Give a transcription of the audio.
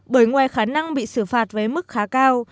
bởi ngoài khả năng bị xử phạt với mức khá cao